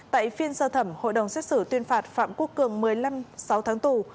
tại phiên sơ thẩm hội đồng xét xử tuyên phạt phạm quốc cường một mươi năm sáu tháng tù